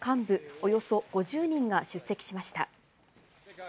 およそ５０人が出席しま